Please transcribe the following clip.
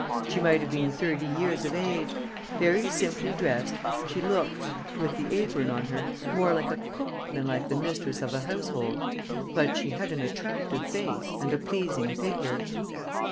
She might have been thirty years of age. Very simply dressed, she looked, with the apron on her, more like a cook than like the mistress of a household. But she had an attractive face and a pleasing figure.